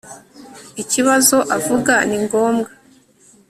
Ikibazo avuga ni ngombwa